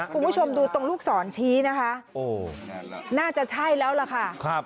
คุณผู้ชมดูตรงลูกศรชี้นะคะโอ้น่าจะใช่แล้วล่ะค่ะ